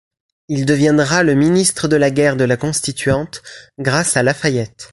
Il deviendra le Ministre de la Guerre de la Constituante, grâce à La Fayette.